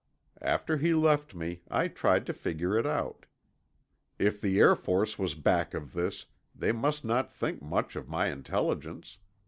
After he left me, I tried to figure it out. If the Air Force was back of this, they must not think much of my intelligence.